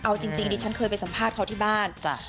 เอาจริงดิฉันเคยไปสัมภาษณ์เขาที่บ้าน